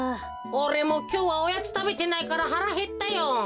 おれもきょうはおやつたべてないからはらへったよ。